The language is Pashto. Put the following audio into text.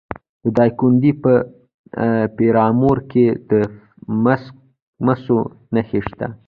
د دایکنډي په میرامور کې د مسو نښې شته.